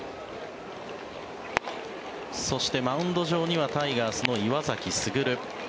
そして、マウンド上にはタイガースの岩崎優。